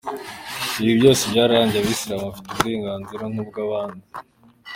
Ibi byose byararangiye, Abayisilamu bafite uburenganzira nk’ubwabandi.